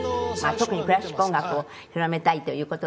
特にクラシック音楽を広めたいという事でね